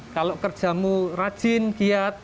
kalau kerjamu rajin giat